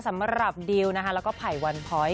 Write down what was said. สำหรับดิวนะคะแล้วก็ไผ่วันพ้อย